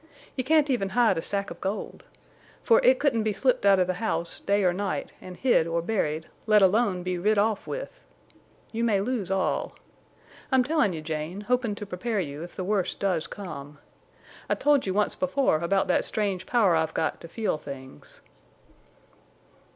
You can't even hide a sack of gold! For it couldn't be slipped out of the house, day or night, an' hid or buried, let alone be rid off with. You may lose all. I'm tellin' you, Jane, hopin' to prepare you, if the worst does come. I told you once before about that strange power I've got to feel things."